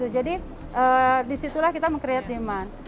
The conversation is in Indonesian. jadi disitulah kita meng create demand